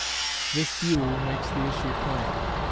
_" This view makes the issue plain.